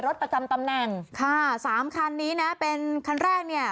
รถประจำตำแหน่งค่ะสามคันนี้นะเป็นคันแรกเนี่ย